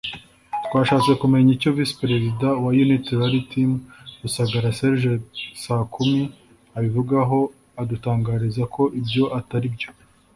twashatse kumenya icyo Visi Perezida wa Unity Rally Team Rusagara Serge Sakumi abivugaho adutangariza ko ibyo ataribyo